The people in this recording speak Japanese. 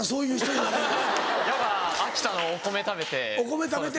やっぱ秋田のお米食べて。